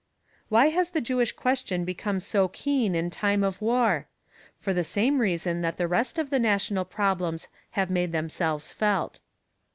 Why has the Jewish question become so keen in time of war? For the same reason that the rest of the national problems have made themselves felt.